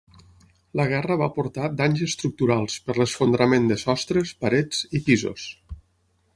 La guerra va portar danys estructurals per l'esfondrament de sostres, parets i pisos.